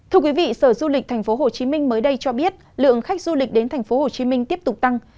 thưa quý vị sở du lịch tp hcm mới đây cho biết lượng khách du lịch đến tp hcm tiếp tục tăng